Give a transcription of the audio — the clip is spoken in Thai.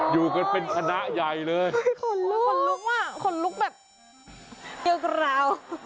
อยู่กันเป็นคณะใหญ่เลยคนลุกว่ะคนลุกแบบเยอะกว่าเรา